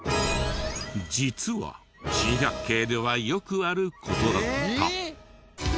実は『珍百景』ではよくある事だった。